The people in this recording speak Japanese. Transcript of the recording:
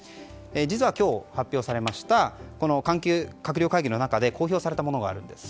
実は今日、発表されました関係閣僚会議の中で公表されたものがあります。